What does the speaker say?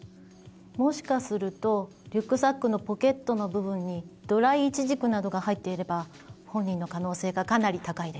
もしかするとリュックサックのポケットの部分にドライいちじくなどが入っていれば本人の可能性がかなり高いです。